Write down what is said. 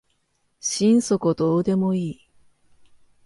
心底どうでもいい